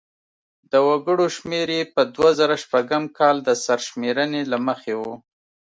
د وګړو شمېر یې په دوه زره شپږم کال د سرشمېرنې له مخې و.